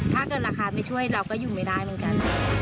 ถ้าเกิดราคาไม่ช่วยเราก็อยู่ไม่ได้เหมือนกัน